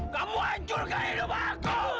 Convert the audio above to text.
kamu hancurkan hidup aku